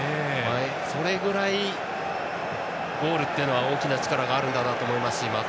それぐらいゴールは大きな力があるんだなと思いますしまた